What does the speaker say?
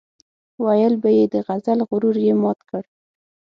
ويل به يې د غزل غرور یې مات کړ.